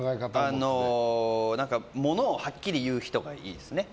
ものをはっきり言う人がいいですね。